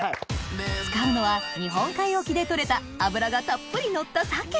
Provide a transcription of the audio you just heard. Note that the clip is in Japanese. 使うのは日本海沖で取れた脂がたっぷりのった鮭